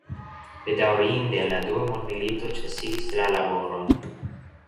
Bedaŭrinde la dua mondmilito ĉesigis la laboron.